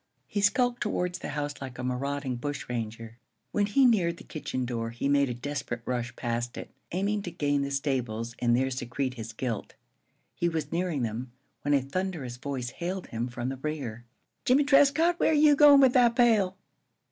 He skulked towards the house like a marauding bushranger. When he neared the kitchen door he made a desperate rush past it, aiming to gain the stables and there secrete his guilt. He was nearing them, when a thunderous voice hailed him from the rear: "Jimmie Trescott, where you goin' with that pail?"